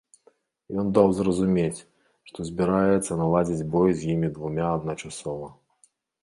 Ён даў зразумець, што збіраецца наладзіць бой з імі двума адначасова.